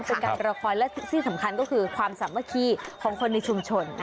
เป็นการรอคอยและที่สำคัญก็คือความสามัคคีของคนในชุมชน